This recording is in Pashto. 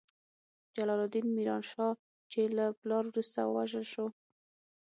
جلال الدین میران شاه، چې له پلار وروسته ووژل شو.